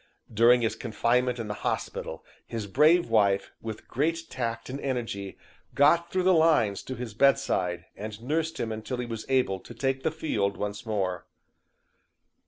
During his confinement in the hospital his brave wife, with great tact and energy, got through the lines to his bedside, and nursed him until he was able to take the field once more.